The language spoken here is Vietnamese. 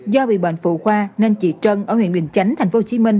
do bị bệnh phụ khoa nên chị trân ở huyện bình chánh tp hcm